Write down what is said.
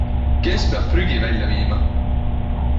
Kes peab prügi välja viima?